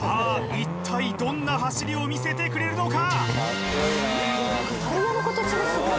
一体どんな走りをみせてくれるのか？